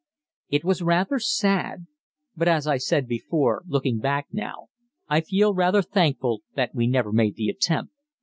It was rather sad; but, as I said before, looking back now, I feel rather thankful that we never made the attempt.